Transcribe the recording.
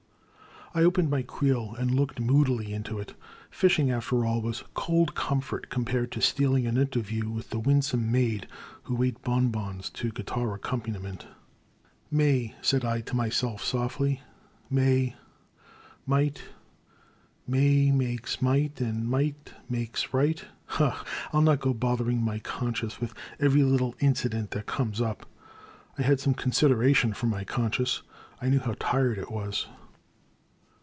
I opened my creel and looked moodily into it. Fishing, after all, was cold comfort compared to stealing an interview with a winsome maid who ate bon bons to guitar accompaniment. May, *' said I to myself, softly, *' May, — might, — May makes might and might makes right — I The Crime. 279 pshaw ! I '11 not go bothering my conscience with every little incident that comes up.*' I had some consideration for my conscience ; I knew how tired it was.